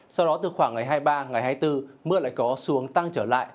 sau đó từ khoảng ngày hai mươi ba ngày hai mươi bốn mưa lại có xuống tăng trở lại